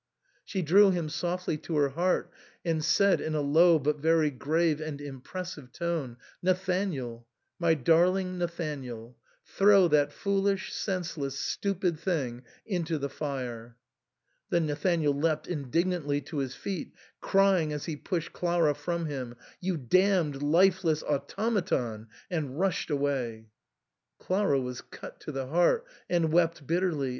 She drew him softly to her heart and said in a low but very grave and impressive tone, " Nathanael, my darling Nathan ael, throw that foolish, senseless, stupid thing into the fire." Then Nathanael leapt indignantly to his feet, crying, as he pushed Clara from him, ''You damned lifeless automaton !" and rushed away. Clara was cut to the heart, and wept bitterly.